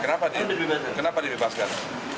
kenapa dia kenapa dibebaskan